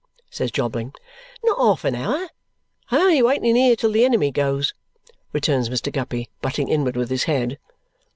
says Jobling. "Not half an hour. I am only waiting here till the enemy goes, returns Mr. Guppy, butting inward with his head.